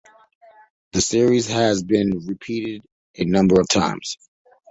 The series has been repeated a number of times.